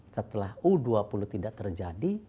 setelah u dua puluh tidak terjadi